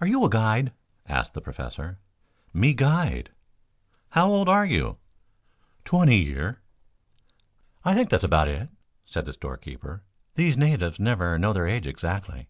"Are you a guide?" asked the Professor. "Me guide." "How old are you?" "Twenty year." "I think that is about it," said the store keeper. "These natives never know their age exactly."